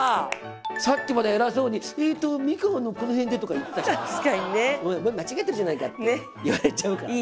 さっきまで偉そうに「えっと三河のこの辺で」とか言ってた人がさお前間違えたじゃないかって言われちゃうからね。